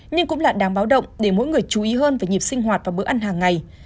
nhưng cũng là đáng báo động để mỗi người chú ý hơn về nhịp sinh hoạt và bữa ăn hàng ngày